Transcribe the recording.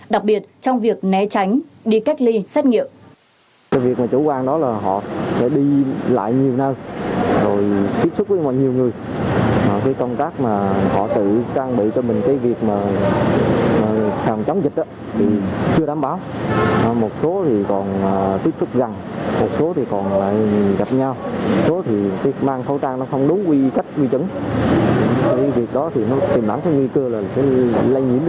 đặc biệt trong việc né tránh đi cách ly xét nghiệm